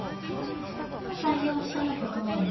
今３四飛車の局面ですが。